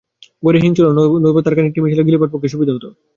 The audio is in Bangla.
ঘরে হিং ছিল না, নতুবা তার খানিকটা মিশালে গিলিবার পক্ষে সুবিধা হত।